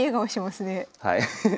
はい。